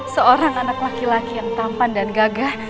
seorang anak laki laki yang tampan dan gagah